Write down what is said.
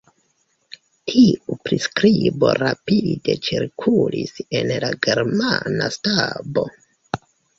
Tiu priskribo rapide cirkulis en la germana stabo.